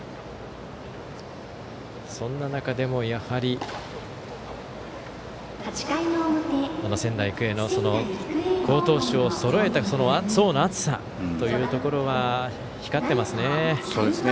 そんな中でもやはり仙台育英の好投手をそろえた層の厚さというところが光ってますね。